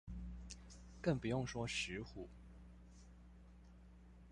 更不用說石虎